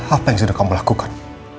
apa yang sudah kamu lakukan